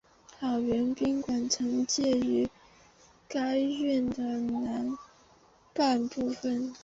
好园宾馆曾借用该院的南半部分。